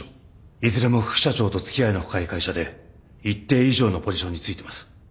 いずれも副社長と付き合いの深い会社で一定以上のポジションに就いてます。